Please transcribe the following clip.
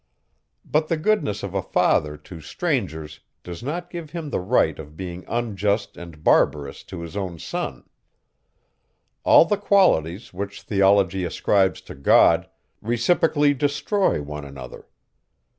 But the goodness of a father to strangers does not give him the right of being unjust and barbarous to his own son. All the qualities, which theology ascribes to God, reciprocally destroy one another.